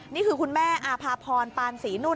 นี่คือคุณแม่อพปานศรีนูน